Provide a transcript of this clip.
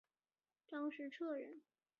张时彻人。